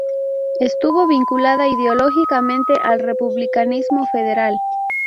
Estuvo vinculada ideológicamente al republicanismo federal.